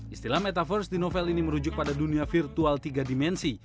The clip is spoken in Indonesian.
istilah metaverse di novel ini merujuk pada dunia virtual tiga dimensi